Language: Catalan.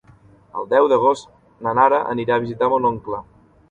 El deu d'agost na Nara anirà a visitar mon oncle.